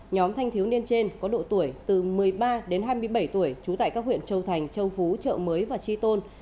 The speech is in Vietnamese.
nhóm thanh thiếu niên trên có độ tuổi từ một mươi ba đến hai mươi bảy tuổi trú tại các huyện châu thành châu phú chợ mới và chi tôn